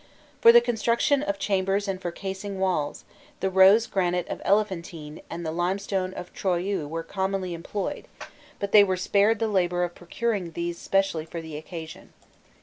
For the construction of chambers and for casing walls, the rose granite of Elephantine and the limestone of Troiu were commonly employed, but they were spared the labour of procuring these specially for the occasion.